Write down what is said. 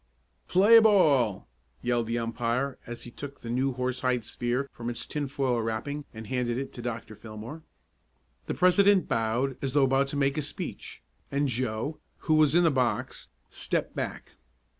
"Play ball!" yelled the umpire as he took the new horsehide sphere from its tinfoil wrapping and handed it to Dr. Fillmore. The president bowed as though about to make a speech, and Joe, who was in the box, stepped back.